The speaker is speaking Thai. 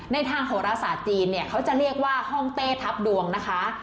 ในทางโหรศาสตร์จีนเนี่ยเขาจะเรียกว่าห้องเต้ทัพดวงนะคะ